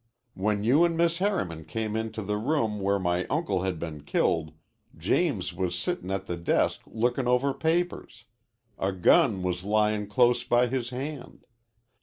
When you an' Miss Harriman came into the room where my uncle had been killed, James was sittin' at the desk lookin' over papers. A gun was lyin' close by his hand.